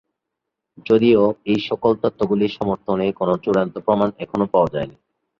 যদিও এইসকল তত্ত্বগুলির সমর্থনে কোন চূড়ান্ত প্রমাণ এখনও পাওয়া যায়নি।